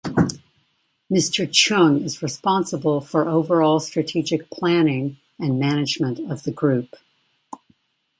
Mr. Cheung is responsible for overall strategic planning and management of the Group.